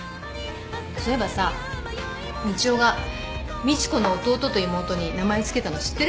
そういえばさみちおがみちこの弟と妹に名前付けたの知ってる？